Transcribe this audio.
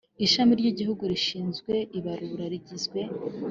Ishami ry Igihugu rishinzwe Ibarura rigizwe